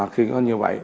khi nó như vậy